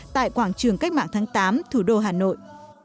tại quảng trường cách mạng tháng tám thủ đô hà nội